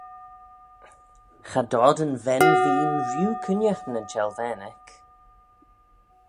Cha dod yn ven veen rieau cooinaghtyn yn çhellvane eck.